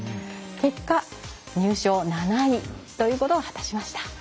結果、入賞７位ということを果たしました。